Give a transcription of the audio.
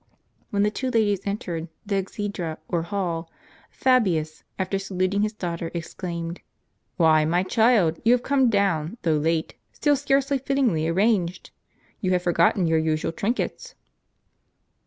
When the two ladies entered the exedra or hall, Fabius, after saluting his daughter, exclaimed, " Why, my child, you have come down, though late, still scarcely fittingly arranged ! You have forgotten your usual trinkets."